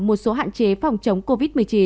một số hạn chế phòng chống covid một mươi chín